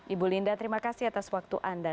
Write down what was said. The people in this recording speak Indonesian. ibu linda terima kasih atas waktu anda